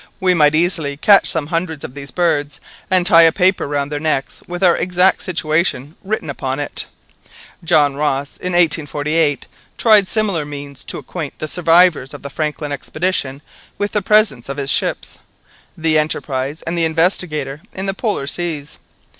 "We might easily catch some hundreds of these birds, and tie a paper round their necks with our exact situation written upon it. John Ross in 1848 tried similar means to acquaint the survivors of the Franklin expedition with the presence of his ships, the Enterprise and the Investigator in the Polar seas.